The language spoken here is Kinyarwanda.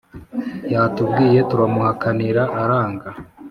Yatubwiye turamuhakanira aranga.